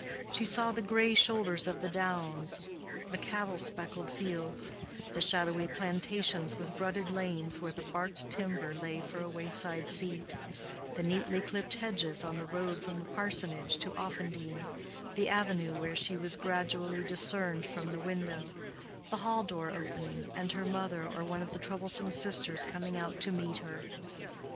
She saw the gray shoulders of the downs, the cattle specked fields, the shadowy plantations with rutted lanes where the barked timber lay for a wayside seat, the neatly clipped hedges on the road from the parsonage to Offendene, the avenue where she was gradually discerned from the window, the hall door opening, and her mother or one of the troublesome sisters coming out to meet her.